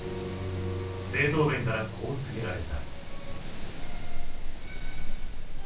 ベートーヴェンからこう告げられた。